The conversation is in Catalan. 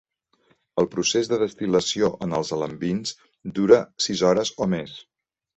El procés de destil·lació en els "alambins" dura sis hores o més.